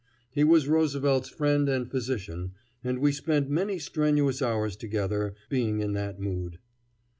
He was Roosevelt's friend and physician, and we spent many strenuous hours together, being in that mood.